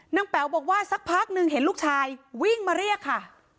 แป๋วบอกว่าสักพักหนึ่งเห็นลูกชายวิ่งมาเรียกค่ะ